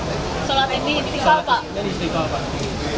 sholat id di istiqlal pak